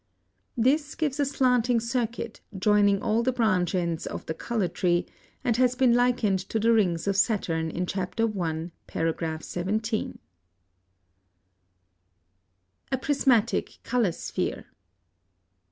(97) This gives a slanting circuit joining all the branch ends of the color tree, and has been likened to the rings of Saturn in Chapter I., paragraph 17. +A prismatic color sphere.